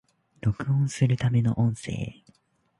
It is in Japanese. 録音するための音声